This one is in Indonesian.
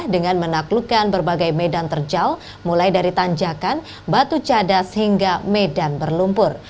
dengan menaklukkan berbagai medan terjal mulai dari tanjakan batu cadas hingga medan berlumpur